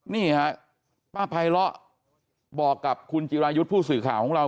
นี่ฮะป้าภัยเลาะบอกกับคุณจิรายุทธ์ผู้สื่อข่าวของเรา